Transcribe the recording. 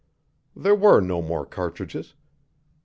There were no more cartridges.